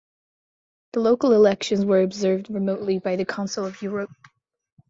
The local elections were observed remotely by the Council of Europe.